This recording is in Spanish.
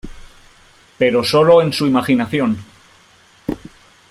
Pero sólo en su imaginación.